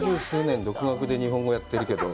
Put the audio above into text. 僕、独学で日本語やってるけど。